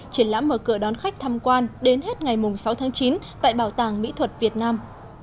triển lãm mở cửa đón khách tham quan đến hết ngày sáu tháng chín tại bảo tàng mỹ thuật việt nam